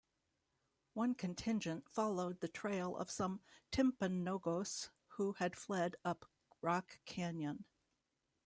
One contingent followed the trail of some Timpanogos who had fled up Rock Canyon.